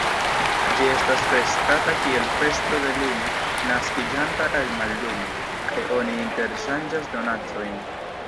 Ĝi estas festata kiel festo de lumo naskiĝanta el mallumo, kaj oni interŝanĝas donacojn.